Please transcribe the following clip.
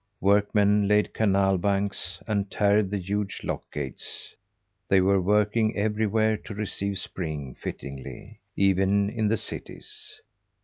Workmen laid canal banks, and tarred the huge lock gates. They were working everywhere to receive spring fittingly, even in the cities.